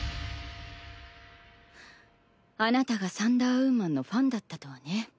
あなたがサンダーウーマンのファンだったとはね。